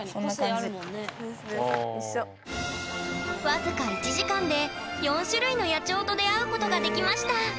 僅か１時間で４種類の野鳥と出会うことができました